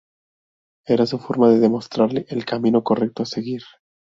Era su forma de mostrarle "el camino correcto a seguir".